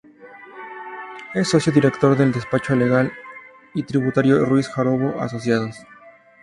Es Socio-Director del Despacho Legal y Tributario Ruiz-Jarabo Asociados.